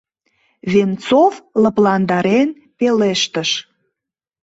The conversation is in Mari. — Венцов лыпландарен пелештыш.